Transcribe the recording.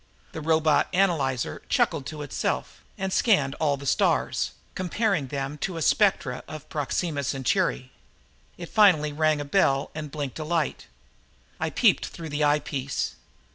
The robot analyzer chuckled to itself and scanned all the stars, comparing them to the spectra of Proxima Centauri. It finally rang a bell and blinked a light. I peeped through the eyepiece.